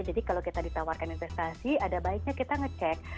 jadi kalau kita ditawarkan investasi ada baiknya kita ngecek